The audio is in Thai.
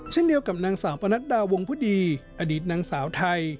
เช่นเดียวกับนางสาวปนัดดาวงพุดีอดีตนางสาวไทย